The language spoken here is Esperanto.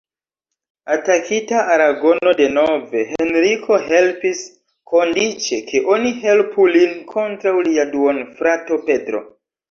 Atakita Aragono denove, Henriko helpis, kondiĉe ke oni helpu lin kontraŭ lia duonfrato Pedro.